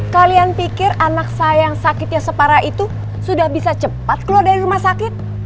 kalian pikir anak saya yang sakitnya separah itu sudah bisa cepat keluar dari rumah sakit